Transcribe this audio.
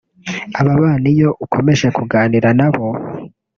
Aba bana iyo ukomeje kuganira nabo